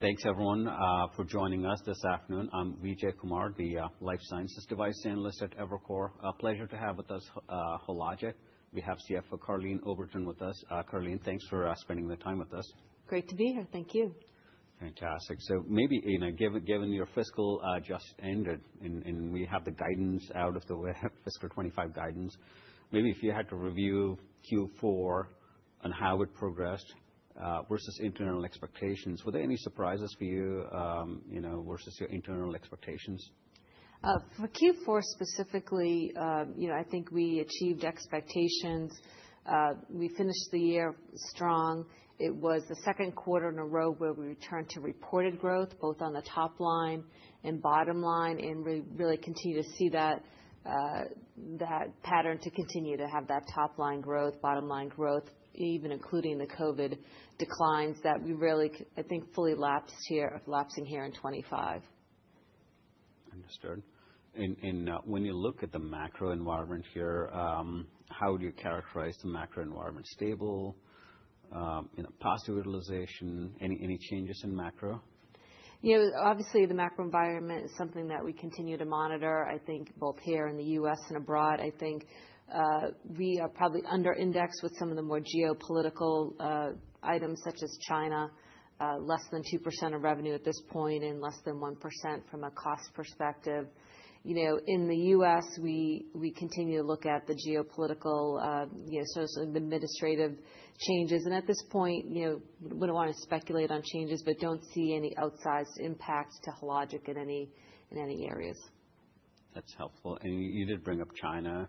Thanks, everyone, for joining us this afternoon. I'm Vijay Kumar, the Life Sciences Device Analyst at Evercore. A pleasure to have with us, Hologic. We have CFO Karleen Oberton with us. Karleen, thanks for spending the time with us. Great to be here. Thank you. Fantastic. So maybe, you know, given your fiscal just ended, and we have the guidance out of the way, fiscal 2025 guidance, maybe if you had to review Q4 and how it progressed versus internal expectations, were there any surprises for you, you know, versus your internal expectations? For Q4 specifically, you know, I think we achieved expectations. We finished the year strong. It was the second quarter in a row where we returned to reported growth, both on the top line and bottom line, and really, really continue to see that, that pattern to continue to have that top line growth, bottom line growth, even including the COVID declines that we really, I think, fully lapsed here, lapsing here in 2025. Understood, and when you look at the macro environment here, how would you characterize the macro environment? Stable, you know, positive utilization, any changes in macro? You know, obviously, the macro environment is something that we continue to monitor, I think, both here in the U.S. and abroad. I think, we are probably under-indexed with some of the more geopolitical items such as China, less than 2% of revenue at this point, and less than 1% from a cost perspective. You know, in the U.S., we continue to look at the geopolitical, you know, socioadministrative changes, and at this point, you know, we don't want to speculate on changes, but don't see any outsized impact to Hologic in any areas. That's helpful. And you did bring up China.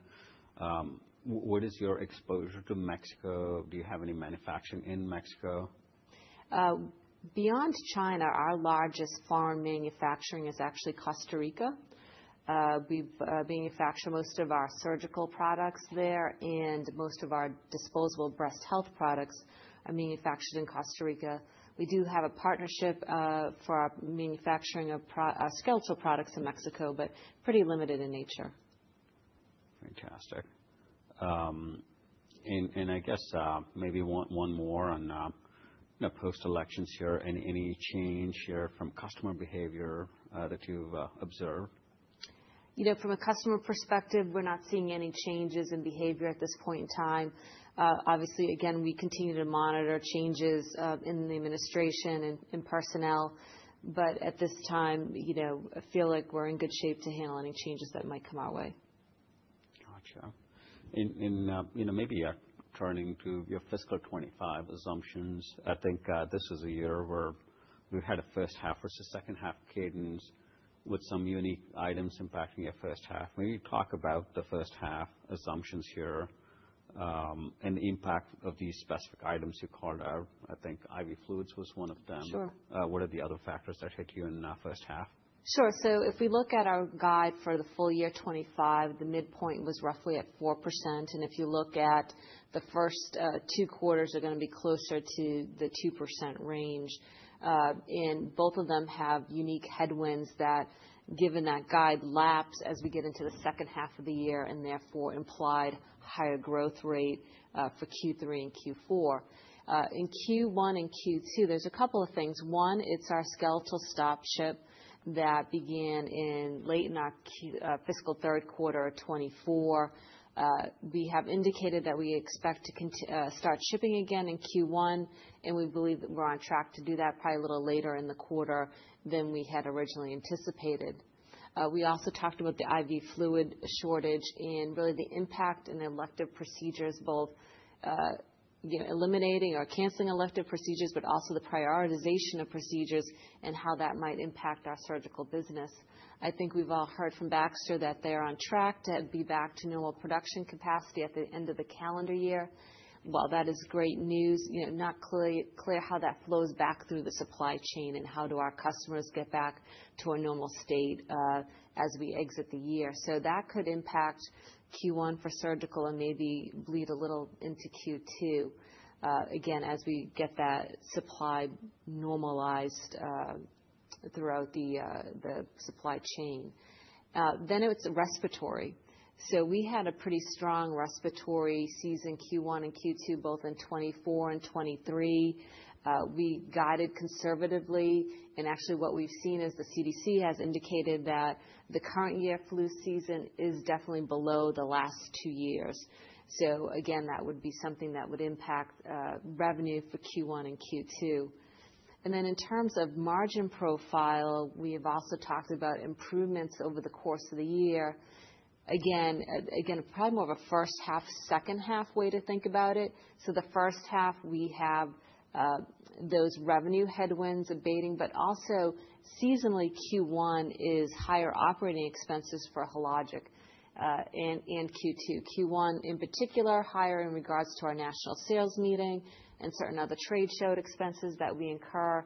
What is your exposure to Mexico? Do you have any manufacturing in Mexico? Beyond China, our largest foreign manufacturing is actually Costa Rica. We've manufactured most of our surgical products there, and most of our disposable breast health products are manufactured in Costa Rica. We do have a partnership for our manufacturing of skeletal products in Mexico, but pretty limited in nature. Fantastic. And I guess maybe one more on, you know, post-elections here, any change here from customer behavior that you've observed? You know, from a customer perspective, we're not seeing any changes in behavior at this point in time. Obviously, again, we continue to monitor changes in the administration and personnel. But at this time, you know, I feel like we're in good shape to handle any changes that might come our way. Gotcha. And you know, maybe turning to your fiscal 2025 assumptions, I think this is a year where we've had a first half versus second half cadence with some unique items impacting your first half. Maybe talk about the first half assumptions here, and the impact of these specific items you called out. I think IV fluids was one of them. Sure. What are the other factors that hit you in the first half? Sure. So if we look at our guide for the full year 2025, the midpoint was roughly at 4%. And if you look at the first two quarters, they're going to be closer to the 2% range, and both of them have unique headwinds that, given that guide, lapse as we get into the second half of the year and therefore implied higher growth rate for Q3 and Q4. In Q1 and Q2, there's a couple of things. One, it's our skeletal stop ship that began in late in our fiscal third quarter of 2024. We have indicated that we expect to start shipping again in Q1, and we believe that we're on track to do that probably a little later in the quarter than we had originally anticipated. We also talked about the IV fluid shortage and really the impact in the elective procedures, both, you know, eliminating or canceling elective procedures, but also the prioritization of procedures and how that might impact our surgical business. I think we've all heard from Baxter that they're on track to be back to normal production capacity at the end of the calendar year. While that is great news, you know, not clear how that flows back through the supply chain and how do our customers get back to a normal state, as we exit the year. So that could impact Q1 for surgical and maybe bleed a little into Q2, again, as we get that supply normalized throughout the supply chain. Then it's respiratory. So we had a pretty strong respiratory season Q1 and Q2, both in 2024 and 2023. We guided conservatively. Actually, what we've seen is the CDC has indicated that the current year flu season is definitely below the last two years. So again, that would be something that would impact revenue for Q1 and Q2. In terms of margin profile, we have also talked about improvements over the course of the year. Again, probably more of a first half, second halfway to think about it. The first half, we have those revenue headwinds abating, but also seasonally, Q1 is higher operating expenses for Hologic, and Q2. Q1 in particular, higher in regards to our national sales meeting and certain other trade show expenses that we incur.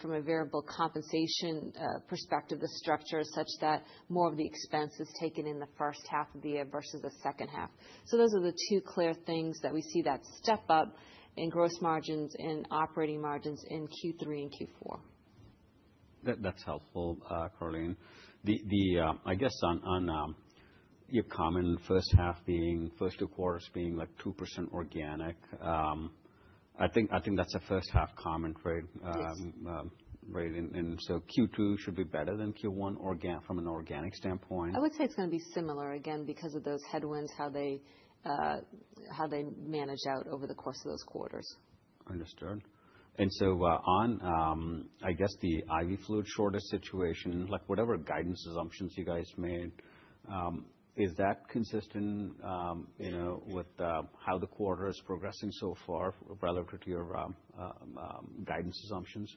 From a variable compensation perspective, the structure is such that more of the expense is taken in the first half of the year versus the second half. So those are the two clear things that we see that step up in gross margins and operating margins in Q3 and Q4. That, that's helpful, Karleen. The, I guess on your common first half being first two quarters being like 2% organic, I think that's a first half common trade, weighting. And so Q2 should be better than Q1 organic from an organic standpoint? I would say it's going to be similar again because of those headwinds, how they manage out over the course of those quarters. Understood. And so, on, I guess, the IV fluid shortage situation, like whatever guidance assumptions you guys made, is that consistent, you know, with how the quarter is progressing so far relative to your guidance assumptions?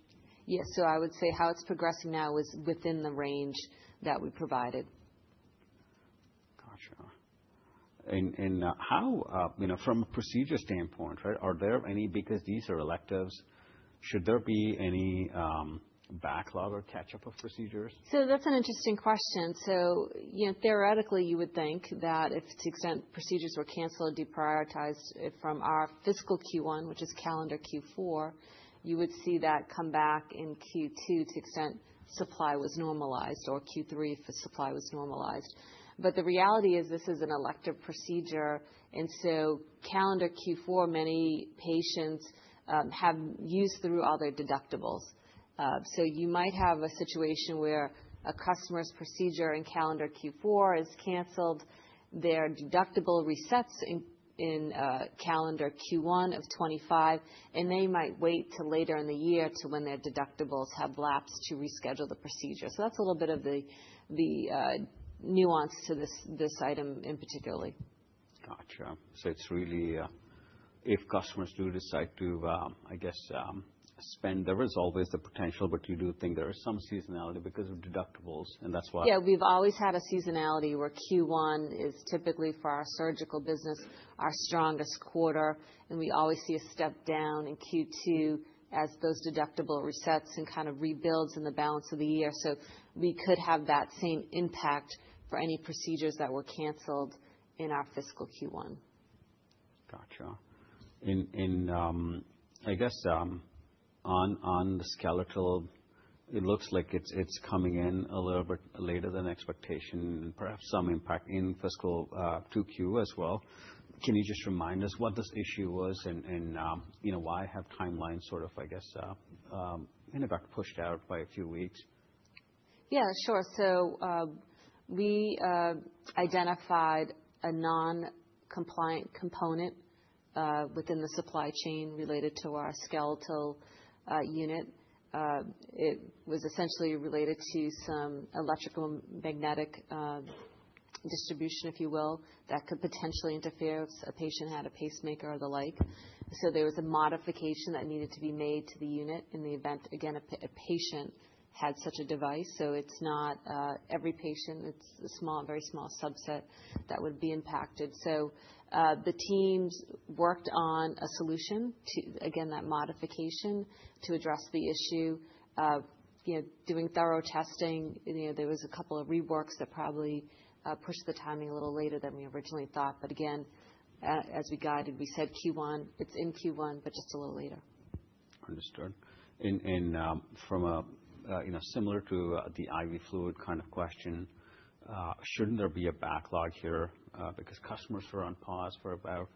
Yes. So I would say how it's progressing now is within the range that we provided. Gotcha. And how, you know, from a procedure standpoint, right, are there any because these are electives, should there be any backlog or catch-up of procedures? So that's an interesting question. You know, theoretically, you would think that if to the extent procedures were canceled or deprioritized from our fiscal Q1, which is calendar Q4, you would see that come back in Q2 to the extent supply was normalized or Q3 if supply was normalized. But the reality is this is an elective procedure. And so calendar Q4, many patients have used through all their deductibles. So you might have a situation where a customer's procedure in calendar Q4 is canceled, their deductible resets in calendar Q1 of 2025, and they might wait till later in the year to when their deductibles have lapsed to reschedule the procedure. So that's a little bit of the nuance to this item in particular. Gotcha, so it's really, if customers do decide to, I guess, spend, there is always the potential, but you do think there is some seasonality because of deductibles, and that's why. Yeah. We've always had a seasonality where Q1 is typically for our surgical business, our strongest quarter, and we always see a step down in Q2 as those deductible resets and kind of rebuilds in the balance of the year. So we could have that same impact for any procedures that were canceled in our fiscal Q1. Gotcha. And I guess on the skeletal, it looks like it's coming in a little bit later than expectation and perhaps some impact in fiscal 2Q as well. Can you just remind us what this issue was and you know why the timeline sort of I guess kind of got pushed out by a few weeks? Yeah, sure. So we identified a non-compliant component within the supply chain related to our skeletal unit. It was essentially related to some electromagnetic distribution, if you will, that could potentially interfere if a patient had a pacemaker or the like. So there was a modification that needed to be made to the unit in the event, again, a patient had such a device. So it's not every patient, it's a small, very small subset that would be impacted. So the teams worked on a solution to again that modification to address the issue, you know, doing thorough testing. You know, there was a couple of reworks that probably pushed the timing a little later than we originally thought. But again, as we guided, we said Q1, it's in Q1, but just a little later. Understood. And from a, you know, similar to the IV fluid kind of question, shouldn't there be a backlog here, because customers were on pause for about,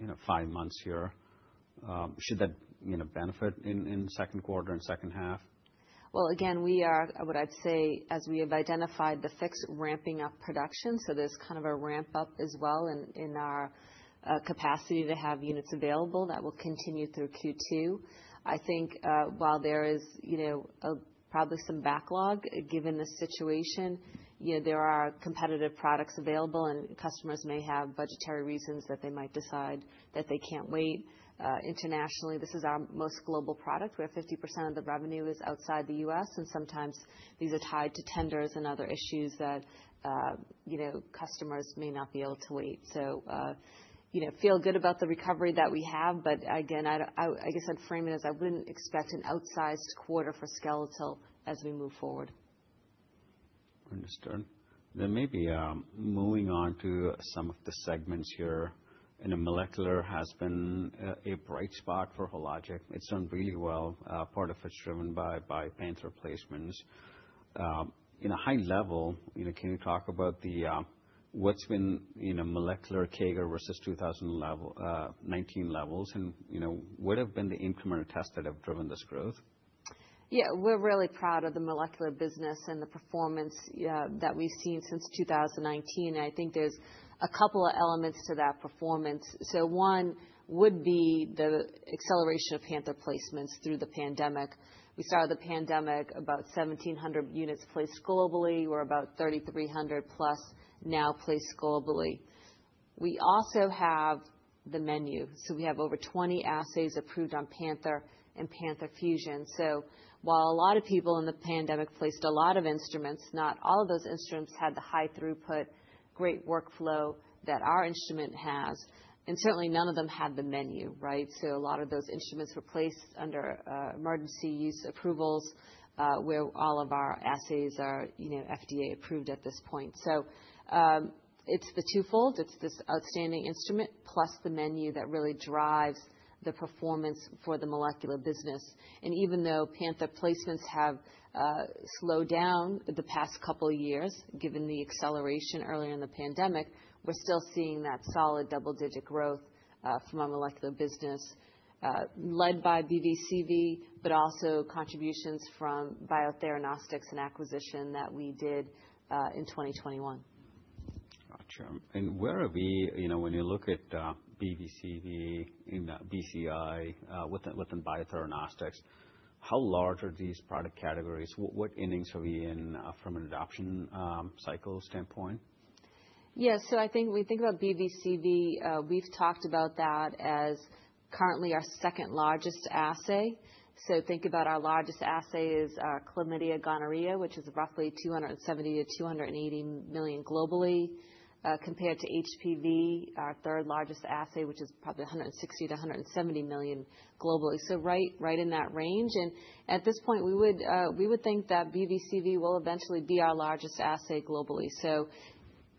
you know, five months here? Should that, you know, benefit in second quarter and second half? Again, we are, what I'd say, as we have identified the fix ramping up production. So there's kind of a ramp up as well in, in our, capacity to have units available that will continue through Q2. I think, while there is, you know, probably some backlog given the situation, you know, there are competitive products available, and customers may have budgetary reasons that they might decide that they can't wait. Internationally, this is our most global product. We have 50% of the revenue is outside the U.S., and sometimes these are tied to tenders and other issues that, you know, customers may not be able to wait. So, you know, feel good about the recovery that we have. But again, I don't, I, I guess I'd frame it as I wouldn't expect an outsized quarter for skeletal as we move forward. Understood. Then maybe, moving on to some of the segments here. You know, molecular has been a bright spot for Hologic. It's done really well. Part of it's driven by Panther replacements. At a high level, you know, can you talk about what's been, you know, molecular CAGR versus 2019 levels? And, you know, what have been the incremental tests that have driven this growth? Yeah. We're really proud of the molecular business and the performance that we've seen since 2019, and I think there's a couple of elements to that performance. One would be the acceleration of Panther placements through the pandemic. We started the pandemic about 1,700 units placed globally. We're about 3,300+ now placed globally. We also have the menu. We have over 20 assays approved on Panther and Panther Fusion. While a lot of people in the pandemic placed a lot of instruments, not all of those instruments had the high throughput, great workflow that our instrument has. Certainly, none of them had the menu, right? A lot of those instruments were placed under emergency use approvals, where all of our assays are, you know, FDA approved at this point. It's twofold. It's this outstanding instrument plus the menu that really drives the performance for the molecular business. And even though Panther placements have slowed down the past couple of years, given the acceleration earlier in the pandemic, we're still seeing that solid double-digit growth from our molecular business, led by BV/CV, but also contributions from Biotheranostics and acquisition that we did in 2021. Gotcha. And where are we, you know, when you look at BV/CV and BCI within Biotheranostics, how large are these product categories? What innings are we in, from an adoption cycle standpoint? Yeah. So I think when we think about BV/CV, we've talked about that as currently our second largest assay. So think about our largest assay is, chlamydia/gonorrhea, which is roughly 270 million-280 million globally, compared to HPV, our third largest assay, which is probably 160 million-170 million globally. So right, right in that range. And at this point, we would, we would think that BV/CV will eventually be our largest assay globally. So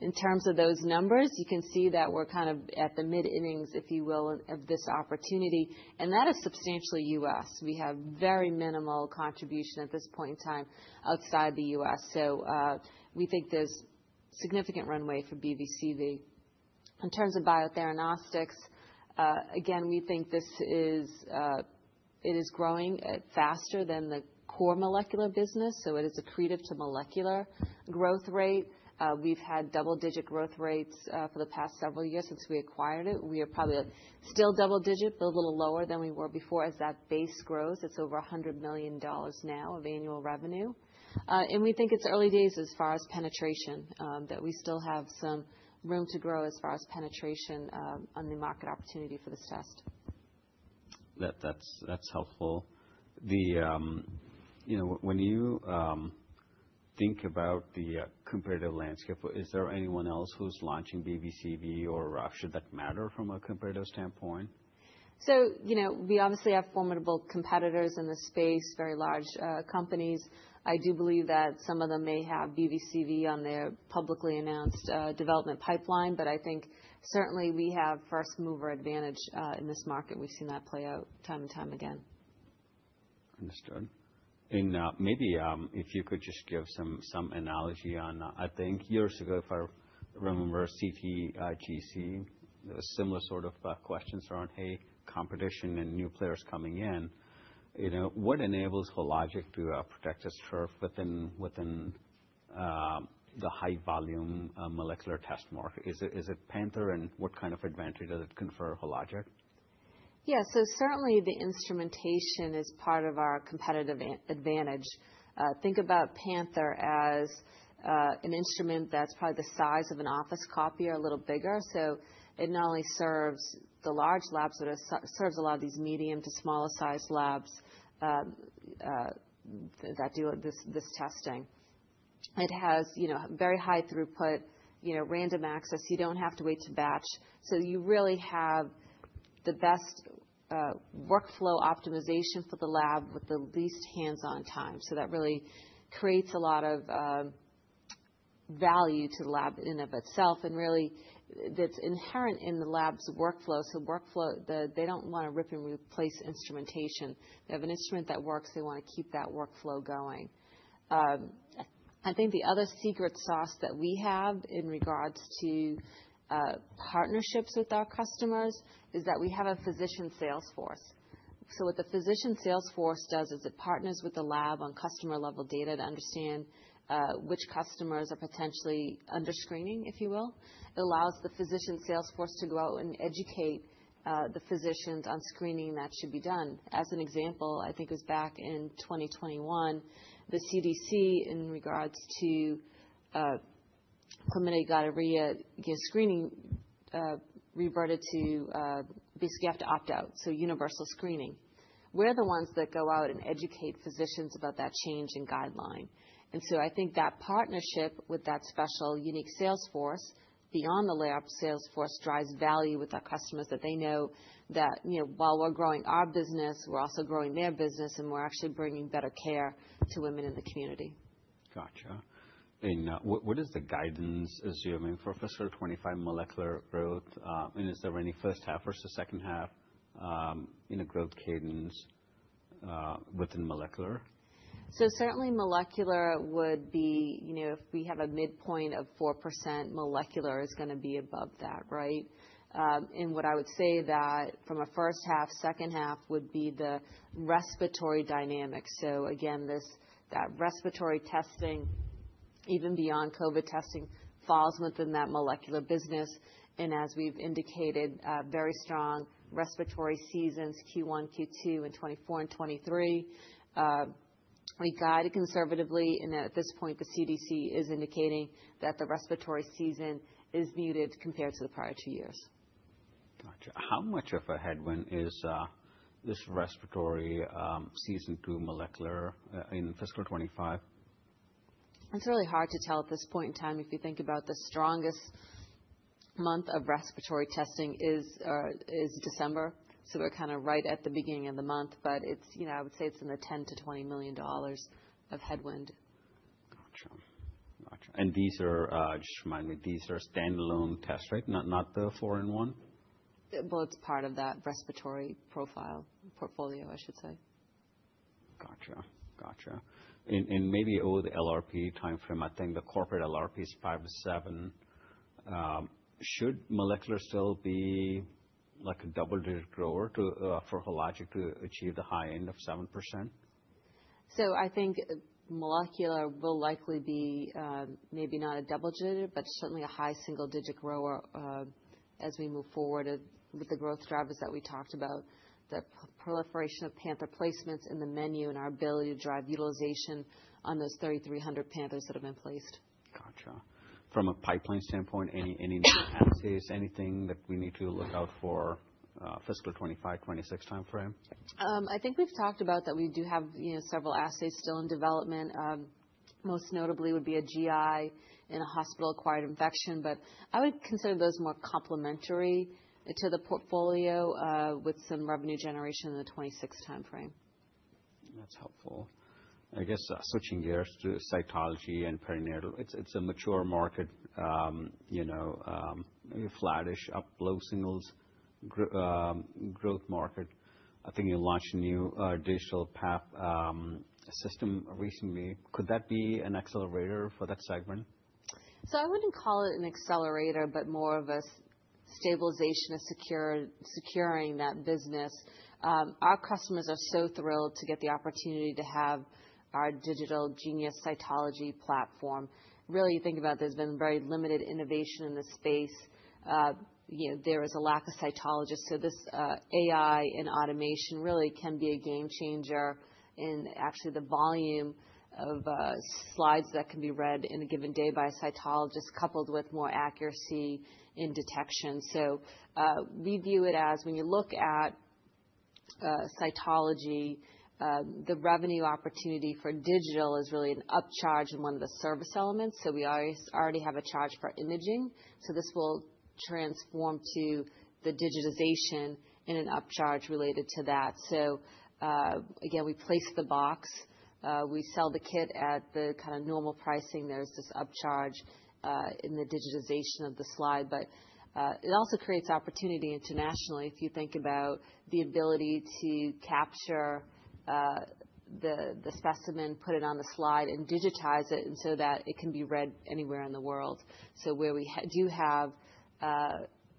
in terms of those numbers, you can see that we're kind of at the mid-innings, if you will, of this opportunity. And that is substantially U.S. We have very minimal contribution at this point in time outside the U.S. So, we think there's significant runway for BV/CV. In terms of Biotheranostics, again, we think this is, it is growing, faster than the core molecular business. So it is accretive to molecular growth rate. We've had double-digit growth rates for the past several years since we acquired it. We are probably still double-digit, but a little lower than we were before as that base grows. It's over $100 million now of annual revenue, and we think it's early days as far as penetration, that we still have some room to grow as far as penetration, on the market opportunity for this test. That's helpful. You know, when you think about the competitive landscape, is there anyone else who's launching BV/CV or should that matter from a competitive standpoint? So, you know, we obviously have formidable competitors in the space, very large companies. I do believe that some of them may have BV/CV on their publicly announced development pipeline, but I think certainly we have first-mover advantage in this market. We've seen that play out time and time again. Understood. And, maybe, if you could just give some analogy on, I think years ago, if I remember CT/GC, there was similar sort of questions around, hey, competition and new players coming in. You know, what enables Hologic to protect this turf within the high-volume molecular test market? Is it Panther, and what kind of advantage does it confer Hologic? Yeah. So certainly, the instrumentation is part of our competitive advantage. Think about Panther as an instrument that's probably the size of an office copy or a little bigger. So it not only serves the large labs, but it serves a lot of these medium to smaller-sized labs that do this testing. It has you know very high throughput, you know, random access. You don't have to wait to batch. So you really have the best workflow optimization for the lab with the least hands-on time. So that really creates a lot of value to the lab in and of itself. And really, that's inherent in the lab's workflow. So the workflow, they don't want to rip and replace instrumentation. They have an instrument that works. They want to keep that workflow going. I think the other secret sauce that we have in regards to partnerships with our customers is that we have a physician sales force. So what the physician sales force does is it partners with the lab on customer-level data to understand which customers are potentially under screening, if you will. It allows the physician sales force to go out and educate the physicians on screening that should be done. As an example, I think it was back in 2021, the CDC in regards to chlamydia gonorrhea, you know, screening, reverted to basically you have to opt out. So universal screening. We're the ones that go out and educate physicians about that change in guideline. I think that partnership with that special unique sales force beyond the lab sales force drives value with our customers, that they know that, you know, while we're growing our business, we're also growing their business, and we're actually bringing better care to women in the community. Gotcha. And what is the guidance assuming for fiscal 2025 molecular growth? And is there any first half versus second half, you know, growth cadence within molecular? So certainly, molecular would be, you know, if we have a midpoint of 4%, molecular is going to be above that, right? And what I would say that from a first half, second half would be the respiratory dynamics. So again, this, that respiratory testing, even beyond COVID testing, falls within that molecular business. And as we've indicated, very strong respiratory seasons Q1, Q2, and 2024 and 2023. We guide it conservatively. And at this point, the CDC is indicating that the respiratory season is muted compared to the prior two years. Gotcha. How much of a headwind is this respiratory season to molecular in fiscal 2025? It's really hard to tell at this point in time if you think about the strongest month of respiratory testing is December. So we're kind of right at the beginning of the month, but it's, you know, I would say it's in the $10 million-$20 million of headwind. Gotcha. Gotcha. And these are, just remind me, these are standalone tests, right? Not, not the four-in-one? It's part of that respiratory profile portfolio, I should say. Gotcha. Gotcha. And maybe over the LRP timeframe, I think the corporate LRP is 5%-7%. Should molecular still be like a double-digit grower too for Hologic to achieve the high end of 7%? So I think molecular will likely be, maybe not a double-digit, but certainly a high single-digit grower, as we move forward with the growth drivers that we talked about, the proliferation of Panther placements in the menu and our ability to drive utilization on those 3,300 Panthers that have been placed. Gotcha. From a pipeline standpoint, any new assays, anything that we need to look out for, fiscal 2025, 2026 timeframe? I think we've talked about that we do have, you know, several assays still in development. Most notably would be a GI and a hospital-acquired infection. But I would consider those more complementary to the portfolio, with some revenue generation in the 2026 timeframe. That's helpful. I guess, switching gears to cytology and perinatal, it's a mature market, you know, flat-ish up, low singles, grow, growth market. I think you launched a new, digital path, system recently. Could that be an accelerator for that segment? So I wouldn't call it an accelerator, but more of a stabilization of secure, securing that business. Our customers are so thrilled to get the opportunity to have our Digital Genius cytology platform. Really, you think about it, there's been very limited innovation in this space. You know, there is a lack of cytologists. So this, AI and automation really can be a game changer in actually the volume of slides that can be read in a given day by a cytologist, coupled with more accuracy in detection. So, we view it as when you look at cytology, the revenue opportunity for digital is really an upcharge in one of the service elements. So we always already have a charge for imaging. So this will transform to the digitization in an upcharge related to that. So, again, we place the box. We sell the kit at the kind of normal pricing. There's this upcharge in the digitization of the slide. But it also creates opportunity internationally if you think about the ability to capture the specimen, put it on the slide, and digitize it so that it can be read anywhere in the world. So where we do have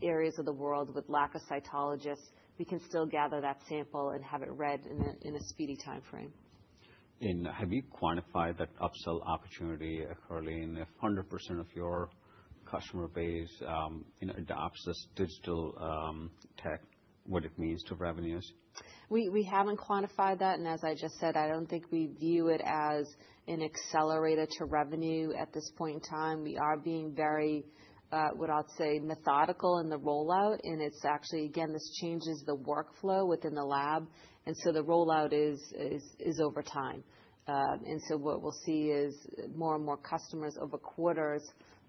areas of the world with lack of cytologists, we can still gather that sample and have it read in a speedy timeframe. Have you quantified that upsell opportunity, Karleen, if 100% of your customer base, you know, adopts this digital, tech, what it means to revenues? We haven't quantified that. And as I just said, I don't think we view it as an accelerator to revenue at this point in time. We are being very, what I'll say, methodical in the rollout. And it's actually, again, this changes the workflow within the lab. And so the rollout is over time. And so what we'll see is more and more customers over quarters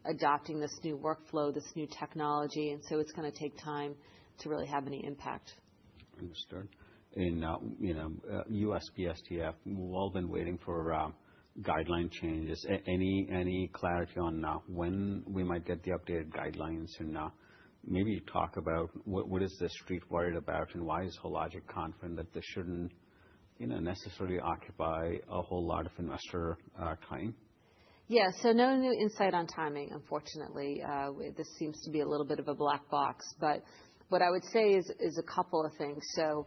adopting this new workflow, this new technology. And so it's going to take time to really have any impact. Understood. And you know, USPSTF, we've all been waiting for guideline changes. Any clarity on when we might get the updated guidelines and maybe talk about what the street is worried about and why Hologic is confident that this shouldn't you know necessarily occupy a whole lot of investor time? Yeah. So no new insight on timing, unfortunately. This seems to be a little bit of a black box. But what I would say is a couple of things. So,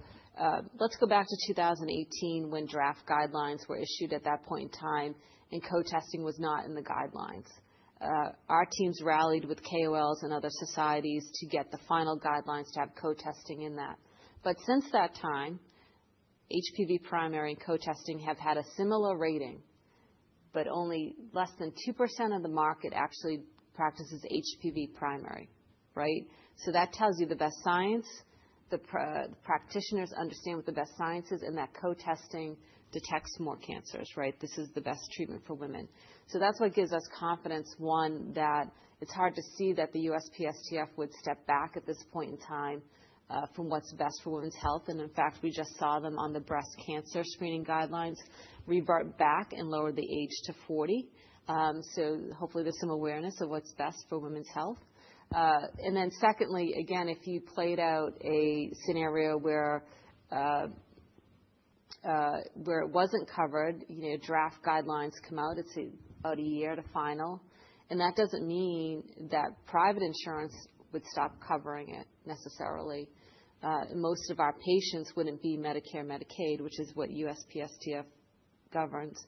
let's go back to 2018 when draft guidelines were issued at that point in time and co-testing was not in the guidelines. Our teams rallied with KOLs and other societies to get the final guidelines to have co-testing in that. But since that time, HPV primary and co-testing have had a similar rating, but only less than 2% of the market actually practices HPV primary, right? So that tells you the best science. The practitioners understand what the best science is and that co-testing detects more cancers, right? This is the best treatment for women. So that's what gives us confidence, one, that it's hard to see that the USPSTF would step back at this point in time, from what's best for women's health. And in fact, we just saw them on the breast cancer screening guidelines revert back and lower the age to 40. So hopefully there's some awareness of what's best for women's health. And then secondly, again, if you played out a scenario where it wasn't covered, you know, draft guidelines come out, it's about a year to final. And that doesn't mean that private insurance would stop covering it necessarily. Most of our patients wouldn't be Medicare, Medicaid, which is what USPSTF governs.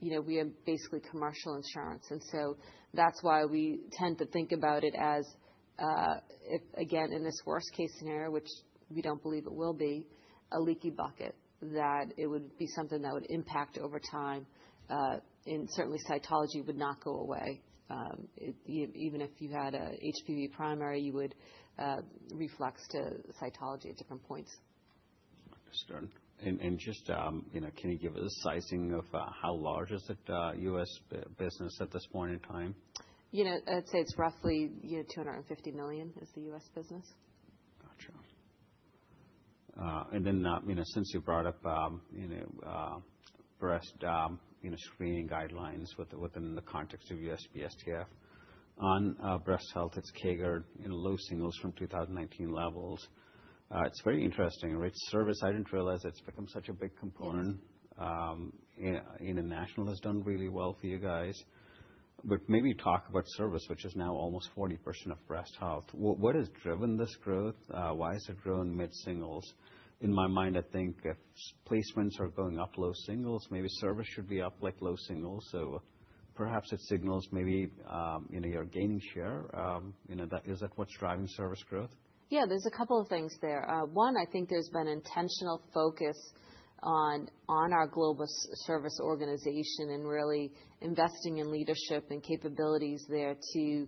You know, we are basically commercial insurance. And so that's why we tend to think about it as, if, again, in this worst-case scenario, which we don't believe it will be, a leaky bucket, that it would be something that would impact over time. And certainly cytology would not go away. Even if you had a HPV primary, you would, reflex to cytology at different points. Understood. And just, you know, can you give us a sizing of, how large is it, U.S. business at this point in time? You know, I'd say it's roughly, you know, $250 million is the U.S. business. Gotcha. Then, you know, since you brought up, you know, breast, you know, screening guidelines within the context of USPSTF on breast health, it's CAGR in low singles from 2019 levels. It's very interesting, right? Service, I didn't realize it's become such a big component. The install has done really well for you guys. Maybe talk about service, which is now almost 40% of breast health. What has driven this growth? Why has it grown mid-singles? In my mind, I think if placements are going up low singles, maybe service should be up like low singles. Perhaps it signals maybe, you know, you're gaining share. You know, is that what's driving service growth? Yeah. There's a couple of things there. One, I think there's been intentional focus on our global service organization and really investing in leadership and capabilities there to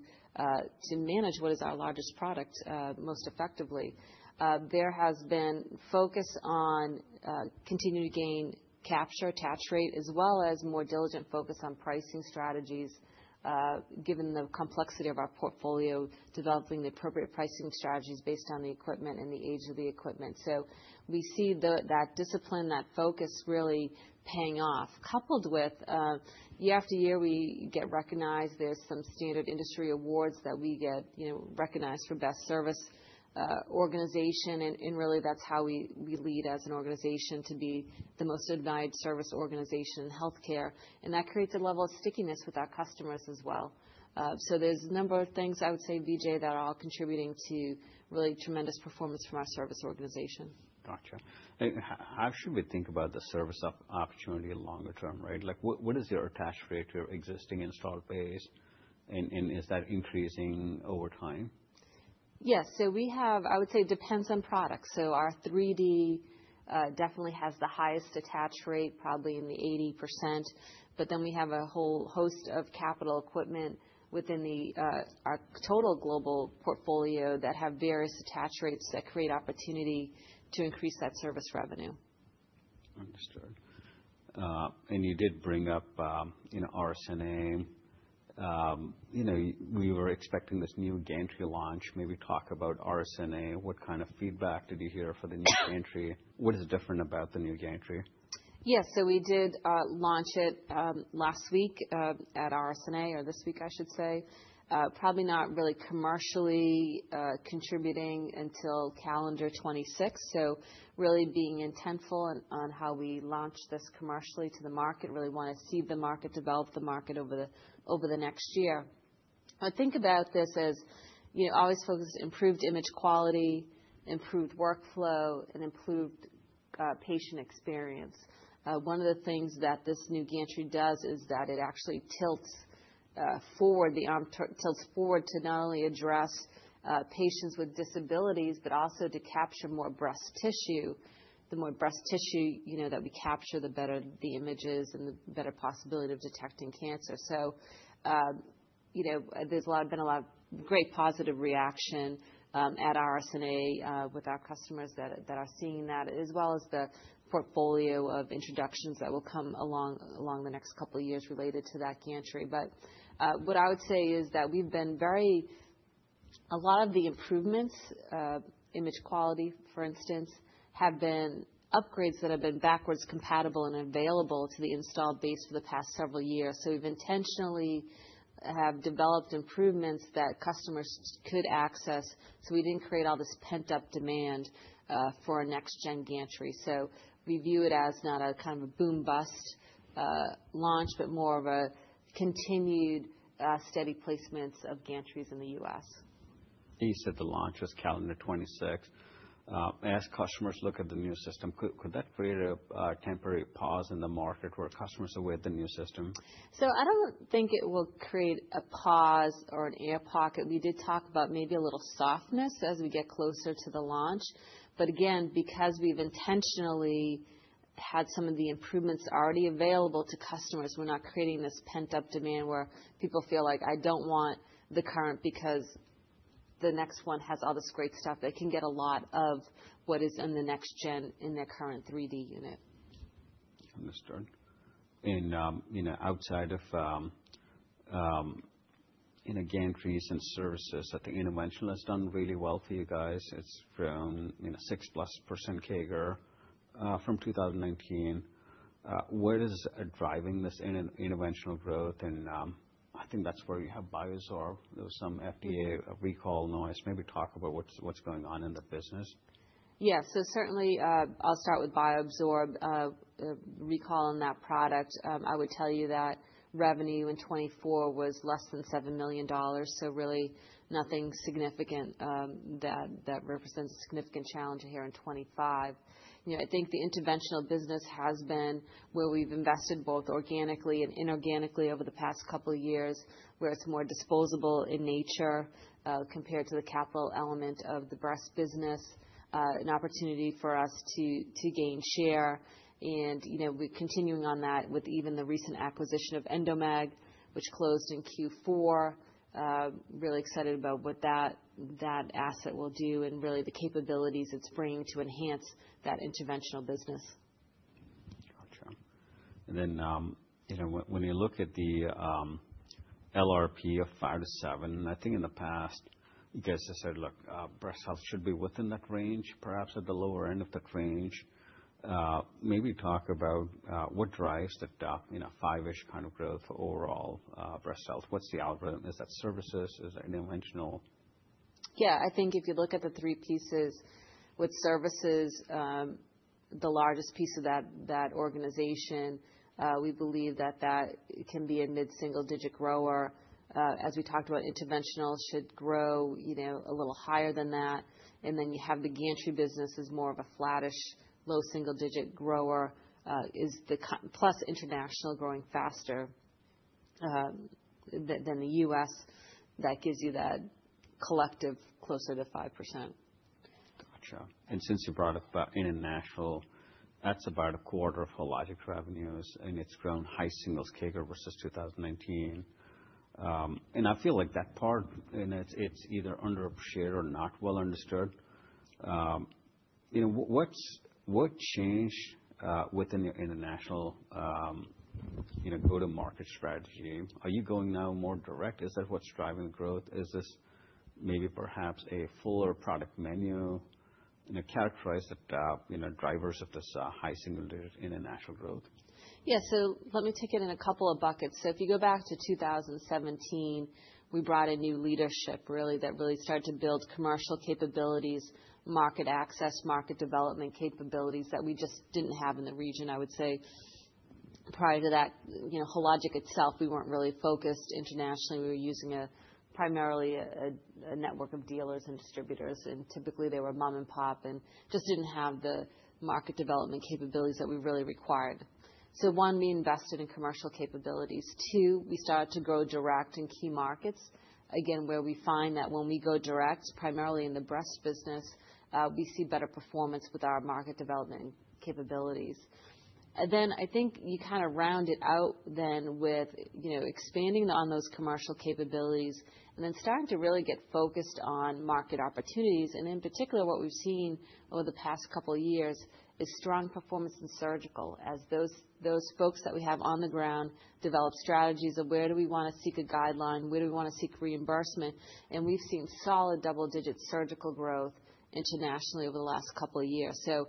manage what is our largest product most effectively. There has been focus on continuing to gain capture, attach rate, as well as more diligent focus on pricing strategies, given the complexity of our portfolio, developing the appropriate pricing strategies based on the equipment and the age of the equipment. So we see that discipline, that focus really paying off, coupled with year after year, we get recognized. There's some standard industry awards that we get, you know, recognized for best service organization. And really that's how we lead as an organization to be the most advanced service organization in healthcare. And that creates a level of stickiness with our customers as well. So there's a number of things, I would say, Vijay, that are all contributing to really tremendous performance from our service organization. Gotcha. And how should we think about the service opportunity longer term, right? Like, what is your attach rate to your existing installed base? And is that increasing over time? Yes. So we have, I would say it depends on product. So our 3D, definitely has the highest attach rate, probably in the 80%. But then we have a whole host of capital equipment within the, our total global portfolio that have various attach rates that create opportunity to increase that service revenue. Understood. And you did bring up, you know, RSNA. You know, we were expecting this new gantry launch. Maybe talk about RSNA. What kind of feedback did you hear for the new gantry? What is different about the new gantry? Yes. So we did launch it last week at RSNA or this week, I should say. Probably not really commercially contributing until calendar 2026. So really being intentional on how we launch this commercially to the market. We really want to see the market develop the market over the next year. I think about this as, you know, always focus on improved image quality, improved workflow, and improved patient experience. One of the things that this new gantry does is that it actually tilts forward. The arm tilts forward to not only address patients with disabilities, but also to capture more breast tissue. The more breast tissue, you know, that we capture, the better the images and the better possibility of detecting cancer. You know, there's been a lot of great positive reaction at RSNA with our customers that are seeing that, as well as the portfolio of introductions that will come along the next couple of years related to that gantry. But what I would say is that we've been very, a lot of the improvements, image quality, for instance, have been upgrades that have been backwards compatible and available to the installed base for the past several years. So we've intentionally have developed improvements that customers could access. So we didn't create all this pent-up demand for a next-gen gantry. So we view it as not a kind of a boom-bust launch, but more of a continued, steady placements of gantries in the U.S. You said the launch was calendar 2026. As customers look at the new system, could that create a temporary pause in the market where customers await the new system? So I don't think it will create a pause or an air pocket. We did talk about maybe a little softness as we get closer to the launch. But again, because we've intentionally had some of the improvements already available to customers, we're not creating this pent-up demand where people feel like, "I don't want the current because the next one has all this great stuff." They can get a lot of what is in the next gen in their current 3D unit. Understood. And, you know, outside of, you know, gantries and services, I think Interventional has done really well for you guys. It's from, you know, 6+% CAGR, from 2019. What is driving this interventional growth? And, I think that's where you have BioZorb. There was some FDA recall noise. Maybe talk about what's going on in the business. Yeah. So certainly, I'll start with BioZorb, recall on that product. I would tell you that revenue in 2024 was less than $7 million. So really nothing significant, that represents a significant challenge here in 2025. You know, I think the interventional business has been where we've invested both organically and inorganically over the past couple of years, where it's more disposable in nature, compared to the capital element of the breast business, an opportunity for us to gain share. And, you know, we're continuing on that with even the recent acquisition of Endomag, which closed in Q4. Really excited about what that asset will do and really the capabilities it's bringing to enhance that interventional business. Gotcha. And then, you know, when you look at the LRP of 5-7, I think in the past, you guys just said, "Look, breast health should be within that range, perhaps at the lower end of that range." Maybe talk about what drives the, you know, 5-ish kind of growth overall, breast health. What's the algorithm? Is that services? Is that interventional? Yeah. I think if you look at the three pieces with services, the largest piece of that, that organization, we believe that that can be a mid-single-digit grower. As we talked about, interventional should grow, you know, a little higher than that. And then you have the gantry business as more of a flattish low single-digit grower. Is the core plus international growing faster than the US? That gives you that collective closer to 5%. Gotcha. And since you brought up international, that's about a quarter of Hologic's revenues, and it's grown high singles CAGR versus 2019. And I feel like that part, you know, it's either underappreciated or not well understood. You know, what's changed within your international, you know, go-to-market strategy? Are you going now more direct? Is that what's driving the growth? Is this maybe perhaps a fuller product menu? You know, characterize that, you know, drivers of this high single-digit international growth. Yeah. So let me take it in a couple of buckets. So if you go back to 2017, we brought in new leadership, really, that really started to build commercial capabilities, market access, market development capabilities that we just didn't have in the region, I would say. Prior to that, you know, Hologic itself, we weren't really focused internationally. We were using primarily a network of dealers and distributors. And typically they were mom-and-pop and just didn't have the market development capabilities that we really required. So one, we invested in commercial capabilities. Two, we started to grow direct in key markets, again, where we find that when we go direct, primarily in the breast business, we see better performance with our market development capabilities. And then I think you kind of round it out then with, you know, expanding on those commercial capabilities and then starting to really get focused on market opportunities. In particular, what we've seen over the past couple of years is strong performance in surgical, as those folks that we have on the ground develop strategies of where do we want to seek a guideline, where do we want to seek reimbursement. And we've seen solid double-digit surgical growth internationally over the last couple of years. So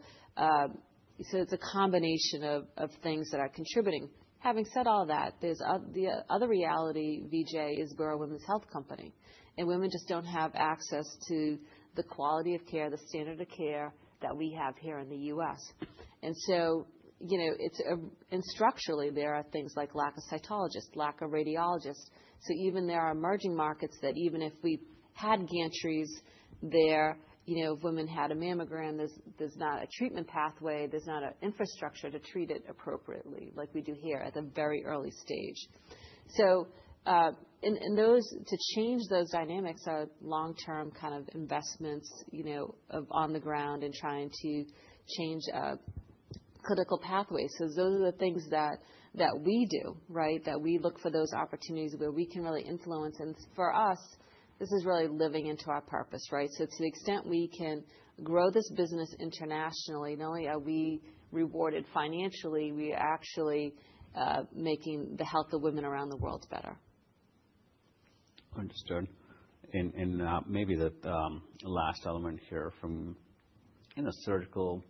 it's a combination of things that are contributing. Having said all that, there's the other reality, Vijay: we're a women's health company, and women just don't have access to the quality of care, the standard of care that we have here in the U.S. And so, you know, it's a, and structurally there are things like lack of cytologists, lack of radiologists. So even there are emerging markets that even if we had gantries there, you know, if women had a mammogram, there's not a treatment pathway, there's not an infrastructure to treat it appropriately like we do here at the very early stage. So, and those to change those dynamics are long-term kind of investments, you know, of on the ground and trying to change critical pathways. So those are the things that we do, right? That we look for those opportunities where we can really influence. And for us, this is really living into our purpose, right? So to the extent we can grow this business internationally, not only are we rewarded financially, we are actually making the health of women around the world better. Understood. And maybe the last element here from, you know, surgical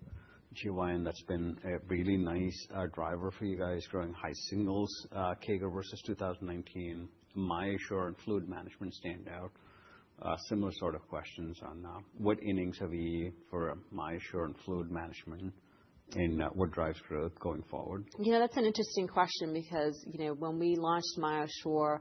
GYN, that's been a really nice driver for you guys, growing high singles CAGR versus 2019, MyoSure fluid management standout. Similar sort of questions on what innings have you for MyoSure fluid management and what drives growth going forward? You know, that's an interesting question because, you know, when we launched MyoSure,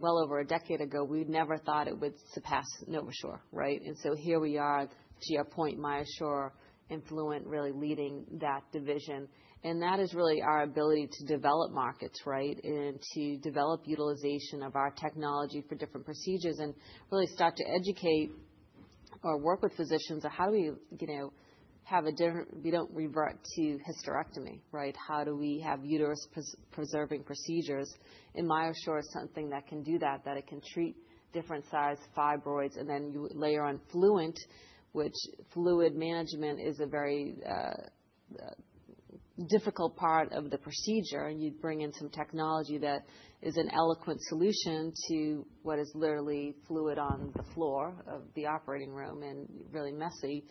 well over a decade ago, we never thought it would surpass NovaSure, right? And so here we are to your point, MyoSure and Fluent really leading that division. And that is really our ability to develop markets, right? And to develop utilization of our technology for different procedures and really start to educate or work with physicians on how do we, you know, have a different, we don't revert to hysterectomy, right? How do we have uterus preserving procedures? And MyoSure is something that can do that, that it can treat different size fibroids. And then you layer on Fluent, which fluid management is a very difficult part of the procedure. And you'd bring in some technology that is an eloquent solution to what is literally fluid on the floor of the operating room and really messy.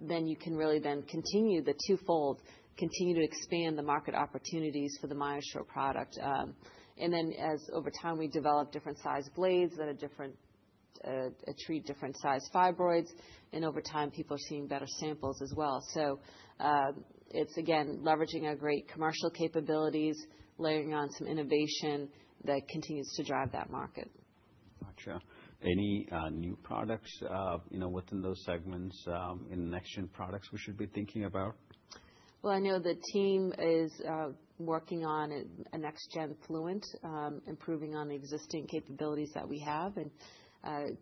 Then you can really then continue the twofold, continue to expand the market opportunities for the MyoSure product. And then as over time we develop different size blades that are different, treat different size fibroids. And over time people are seeing better samples as well. So, it's again leveraging our great commercial capabilities, layering on some innovation that continues to drive that market. Gotcha. Any new products, you know, within those segments, in next-gen products we should be thinking about? I know the team is working on a next-gen Fluent, improving on existing capabilities that we have and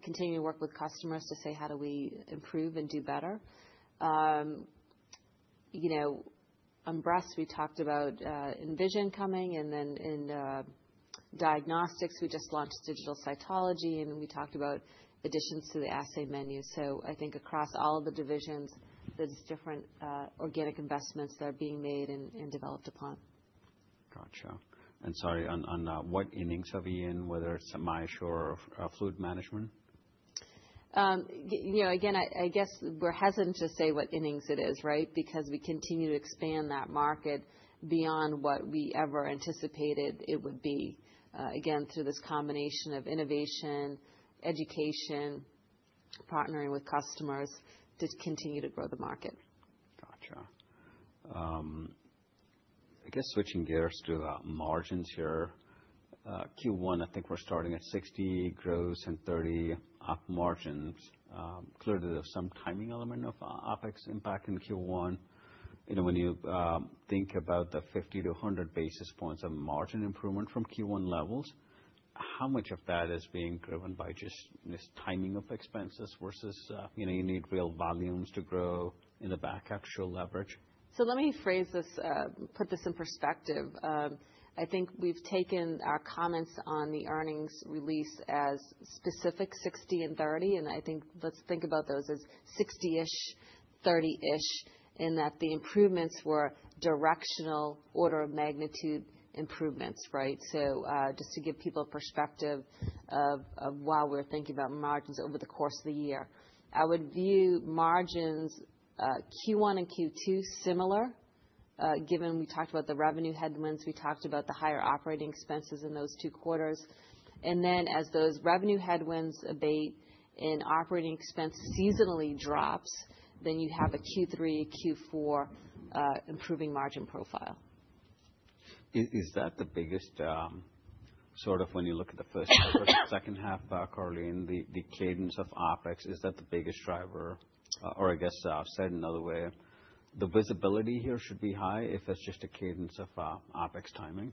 continue to work with customers to say, "How do we improve and do better?" you know, on breast we talked about Envision coming. And then in diagnostics we just launched digital cytology. And then we talked about additions to the assay menu. So I think across all of the divisions there's different organic investments that are being made and developed upon. Gotcha. And sorry, on what inroads have you in, whether it's MyoSure or fluid management? You know, again, I, I guess we're hesitant to say what innings it is, right? Because we continue to expand that market beyond what we ever anticipated it would be, again, through this combination of innovation, education, partnering with customers to continue to grow the market. Gotcha. I guess switching gears to the margins here. Q1 I think we're starting at 60 gross and 30 op margins. Clearly there's some timing element of OpEx impact in Q1. You know, when you think about the 50-100 basis points of margin improvement from Q1 levels, how much of that is being driven by just this timing of expenses versus, you know, you need real volumes to grow in the back actual leverage? So let me phrase this, put this in perspective. I think we've taken our comments on the earnings release as specific 60 and 30. And I think let's think about those as 60-ish, 30-ish, in that the improvements were directional order of magnitude improvements, right? So, just to give people a perspective of, of why we're thinking about margins over the course of the year. I would view margins, Q1 and Q2 similar, given we talked about the revenue headwinds, we talked about the higher operating expenses in those two quarters. And then as those revenue headwinds abate and operating expense seasonally drops, then you have a Q3, Q4, improving margin profile. Is that the biggest, sort of when you look at the first half or the second half, Karleen, the cadence of OpEx, is that the biggest driver? Or I guess, said another way, the visibility here should be high if it's just a cadence of OpEx timing?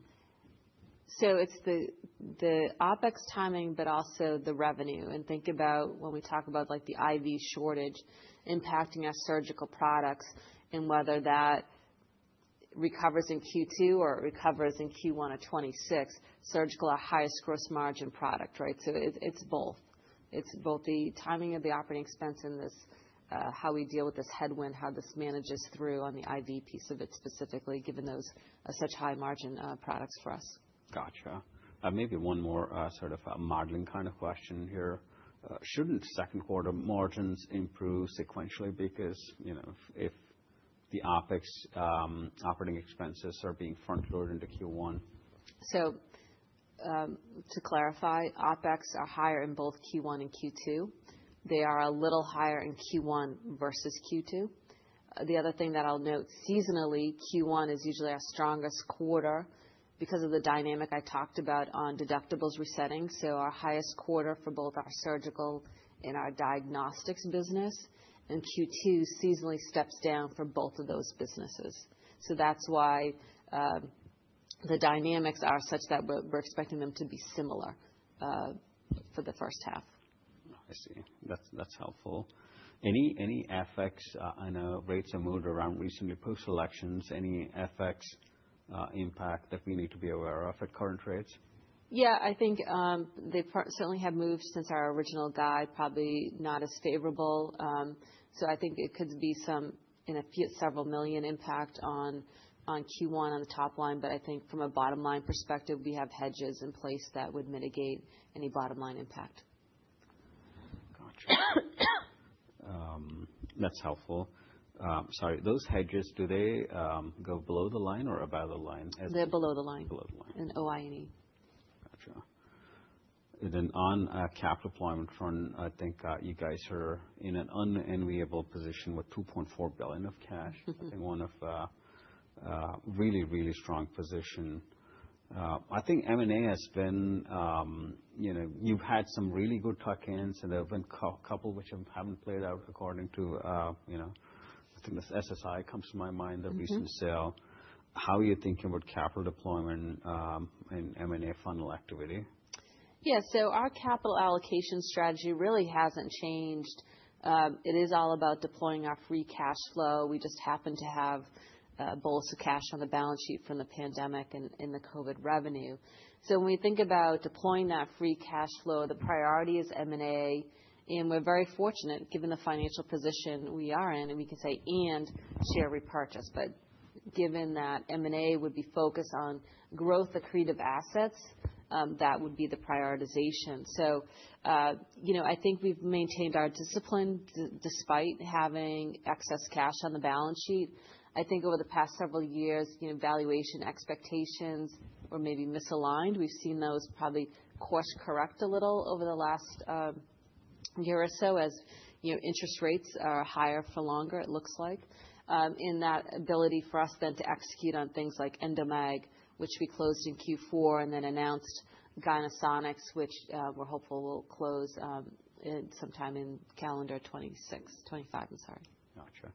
It's the OpEx timing, but also the revenue. Think about when we talk about like the IV shortage impacting our surgical products and whether that recovers in Q2 or it recovers in Q1 of 2026. Surgical, our highest gross margin product, right? It's both. It's both the timing of the operating expense and this, how we deal with this headwind, how this manages through on the IV piece of it specifically, given those such high margin products for us. Gotcha. Maybe one more, sort of, modeling kind of question here. Shouldn't second quarter margins improve sequentially because, you know, if the OpEx, operating expenses are being front-loaded into Q1? So, to clarify, OpEx are higher in both Q1 and Q2. They are a little higher in Q1 versus Q2. The other thing that I'll note, seasonally Q1 is usually our strongest quarter because of the dynamic I talked about on deductibles resetting. So our highest quarter for both our surgical and our diagnostics business. And Q2 seasonally steps down for both of those businesses. So that's why, the dynamics are such that we're expecting them to be similar, for the first half. I see. That's helpful. Any effects on rates of move around recently post-elections? Any effects, impact that we need to be aware of at current rates? Yeah. I think they certainly have moved since our original guide, probably not as favorable. So I think it could be some, you know, few, several million impact on Q1 on the top line. But I think from a bottom-line perspective, we have hedges in place that would mitigate any bottom-line impact. Gotcha. That's helpful. Sorry, those hedges, do they go below the line or above the line as? They're below the line. Below the line. In OI&E. Gotcha. And then on cap deployment front, I think you guys are in an unenviable position with $2.4 billion of cash. I think one of really, really strong position. I think M&A has been, you know, you've had some really good tuck-ins, and there have been a couple which haven't played out according to, you know, I think this SSI comes to my mind, the recent sale. How are you thinking about capital deployment, and M&A funnel activity? Yeah. So our capital allocation strategy really hasn't changed. It is all about deploying our free cash flow. We just happen to have a bolus of cash on the balance sheet from the pandemic and the COVID revenue. So when we think about deploying that free cash flow, the priority is M&A. And we're very fortunate given the financial position we are in, and we can do ASR and share repurchase. But given that M&A would be focused on growth accretive assets, that would be the prioritization. So, you know, I think we've maintained our discipline despite having excess cash on the balance sheet. I think over the past several years, you know, valuation expectations were maybe misaligned. We've seen those probably course correct a little over the last year or so as, you know, interest rates are higher for longer. It looks like. in that ability for us then to execute on things like Endomag, which we closed in Q4 and then announced Gynesonics, which, we're hopeful we'll close, in sometime in calendar 2026, 2025, I'm sorry. Gotcha.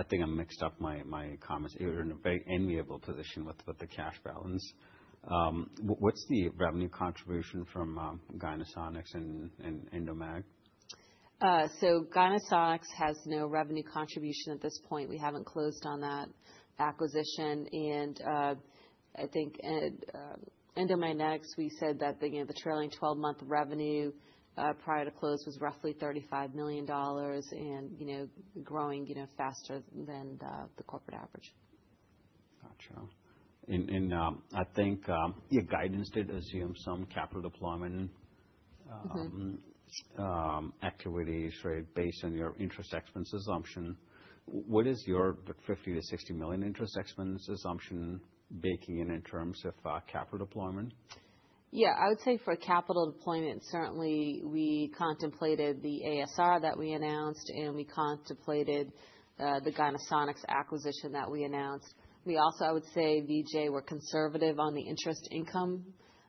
I think I mixed up my comments. You're in a very enviable position with the cash balance. What's the revenue contribution from Gynesonics and Endomag? So Gynesonics has no revenue contribution at this point. We haven't closed on that acquisition. And I think Endomag, we said that the you know the trailing 12-month revenue prior to close was roughly $35 million and you know growing you know faster than the corporate average. Gotcha. And I think your guidance did assume some capital deployment activities, right, based on your interest expense assumption. What is your $50 million-$60 million interest expense assumption baking in terms of capital deployment? Yeah. I would say for capital deployment, certainly we contemplated the ASR that we announced, and we contemplated the Gynesonics acquisition that we announced. We also, I would say, Vijay, we're conservative on the interest income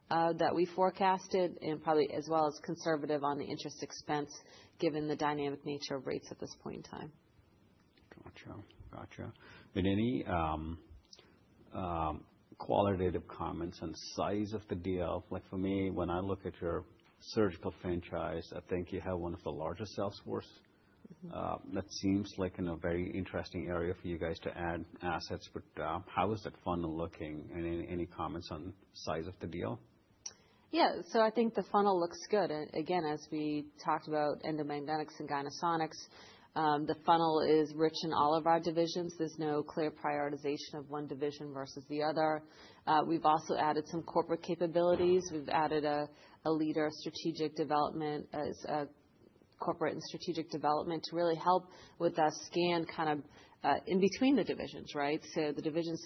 that we forecasted and probably as well as conservative on the interest expense given the dynamic nature of rates at this point in time. Gotcha. And any qualitative comments on size of the deal? Like for me, when I look at your surgical franchise, I think you have one of the largest sales force. That seems like in a very interesting area for you guys to add assets. But, how is that funnel looking? And any comments on size of the deal? Yeah. So I think the funnel looks good. And again, as we talked about Endomag and Gynesonics, the funnel is rich in all of our divisions. There's no clear prioritization of one division versus the other. We've also added some corporate capabilities. We've added a leader of strategic development as corporate and strategic development to really help with a scan kind of in between the divisions, right? So the divisions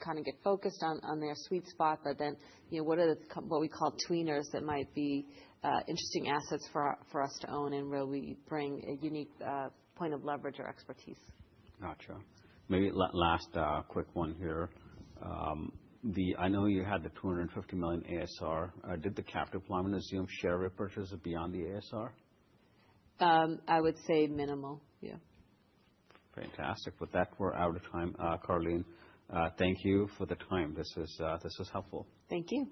kind of get focused on their sweet spot. But then, you know, what we call tweeners that might be interesting assets for us to own and really bring a unique point of leverage or expertise? Gotcha. Maybe last, quick one here. I know you had the $250 million ASR. Did the cap deployment assume share repurchase beyond the ASR? I would say minimal. Yeah. Fantastic. With that, we're out of time. Karleen, thank you for the time. This was, this was helpful. Thank you.